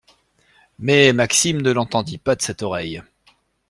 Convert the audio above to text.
Mais Maxime ne l’entendit pas de cette oreille.